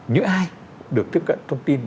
như ai được tiếp cận thông tin